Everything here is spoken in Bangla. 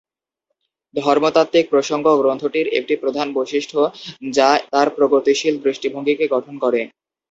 ধর্মতাত্ত্বিক প্রসঙ্গ গ্রন্থটির একটি প্রধান বৈশিষ্ট্য, যা তার প্রগতিশীল দৃষ্টিভঙ্গিকে গঠন করে।